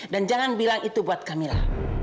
dan jangan bilang itu buat kamila